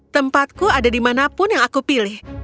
tempatku ada dimanapun yang aku pilih